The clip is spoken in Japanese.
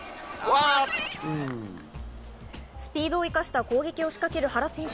スピードを生かした攻撃を仕掛ける原選手。